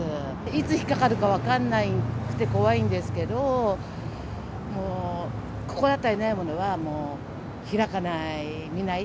いつ引っ掛かるか分かんなくて怖いんですけど、もう、心当たりないものは開かない、見ない。